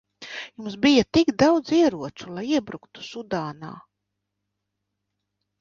Jums bija tik daudz ieroču, lai iebruktu Sudānā.